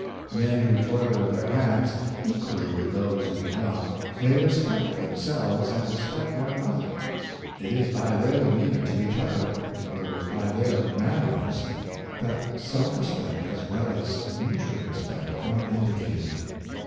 Men who toil with their hands, equally with those who do not, may respect themselves and respect one another; and it is by their demeanor to each other — in other words, by their manners — that self respect as well as mutual respect are indicated.